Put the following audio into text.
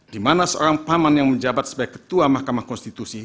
di mana seorang paman yang menjabat sebagai ketua mahkamah konstitusi